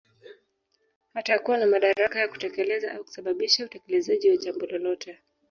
Atakuwa na madaraka ya kutekeleza au kusababisha utekelezaji wa jambo lolote